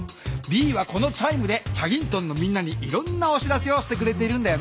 ヴィーはこのチャイムでチャギントンのみんなにいろんなお知らせをしてくれているんだよね。